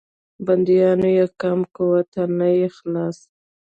بندیوان یې کم قوته نه یې خلاص.